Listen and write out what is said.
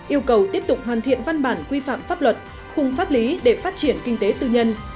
yêu cầu tiếp tục hoàn thiện văn bản quy phạm pháp luật khung pháp lý để phát triển kinh tế tư nhân